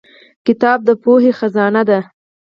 • کتاب د پوهې خزانه ده.